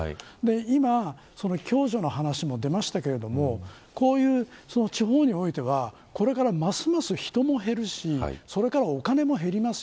今、共助の話も出ましたがこういう地方においてはこれからますます人も減るしお金も減ります。